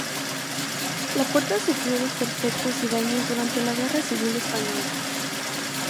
La puerta sufrió desperfectos y daños durante la Guerra Civil española.